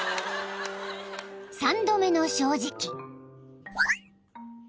［３度目の正直］